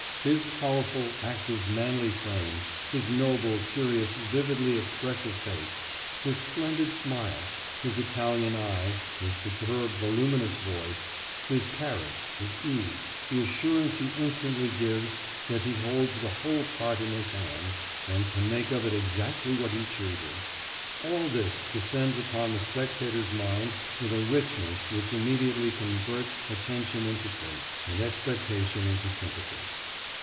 His powerful, active, manly frame, his noble, serious, vividly expressive face, his splendid smile, his Italian eye, his superb, voluminous voice, his carriage, his ease, the assurance he instantly gives that he holds the whole part in his hands and can make of it exactly what he chooses, all this descends upon the spectator's mind with a richness which immediately converts attention into faith, and expectation into sympathy.